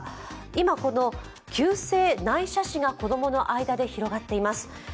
今、この急性内斜視が子供の間で広がっています。